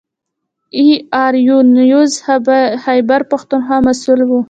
د اې ار یو نیوز خیبر پښتونخوا مسوول و.